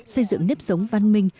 xây dựng nếp sống văn minh